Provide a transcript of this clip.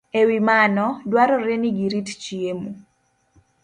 E wi mano, dwarore ni girit chiemo